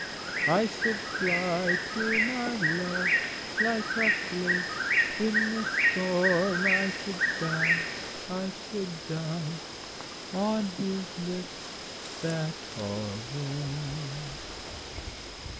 I should fly to my love Like a flake in the storm, I should die, I should die, On his lips that are warm.